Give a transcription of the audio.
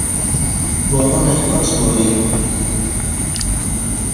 Bilêtên geştên asmanî yên ji Rûsyayê ji bo derve sih qat erzan bûn.